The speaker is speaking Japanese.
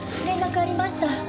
連絡ありました？